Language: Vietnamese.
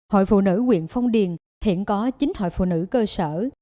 hội phụ nữ quyện phong điền hiện có chín hội phụ nữ cơ sở